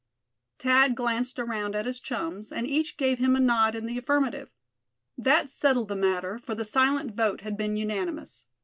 Thad glanced around at his chums, and each gave him a nod in the affirmative. That settled the matter, for the silent vote had been unanimous.